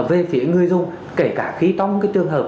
về phía người dùng kể cả khi trong cái trường hợp